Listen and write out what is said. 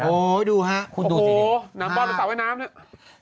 โอ้ยดูฮะโอ้โหน้ำบ้านหรือสาวแว่นน้ำเนี่ย